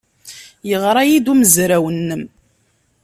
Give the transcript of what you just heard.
Yeɣra-iyi-d umezraw-nnem.